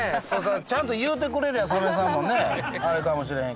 ちゃんと言うてくれりゃサメさんもねあれかもしれへんけどね。